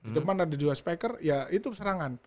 di depan ada dua spiker ya itu serangan